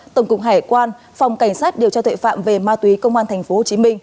tổng cục hải quan phòng cảnh sát điều tra tuệ phạm về ma túy công an tp hcm